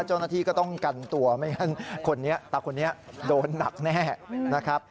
เจ้าหน้าที่ก็ต้องกันตัวไม่งั้นคนนี้ตาคนนี้โดนหนักแน่นะครับ